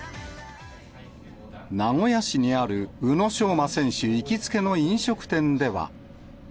名古屋市にある、宇野昌磨選手行きつけの飲食店では。